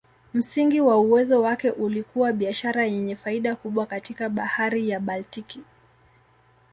Msingi wa uwezo wake ulikuwa biashara yenye faida kubwa katika Bahari ya Baltiki.